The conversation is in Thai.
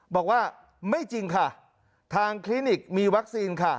บอกว่าไม่จริงค่ะทางคลินิกมีวัคซีนค่ะ